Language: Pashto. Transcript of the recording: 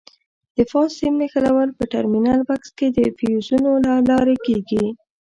د فاز سیم نښلول په ټرمینل بکس کې د فیوزونو له لارې کېږي.